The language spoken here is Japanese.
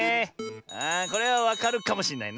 あこれはわかるかもしんないな。